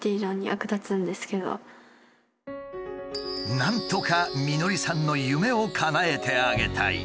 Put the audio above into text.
なんとか美典さんの夢をかなえてあげたい。